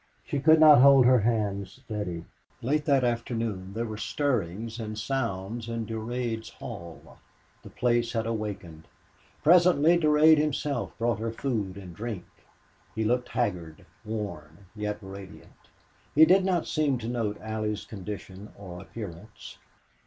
She could not hold her hands steady. Late that afternoon there were stirrings and sounds in Durade's hall. The place had awakened. Presently Durade himself brought her food and drink. He looked haggard, worn, yet radiant. He did not seem to note Allie's condition or appearance.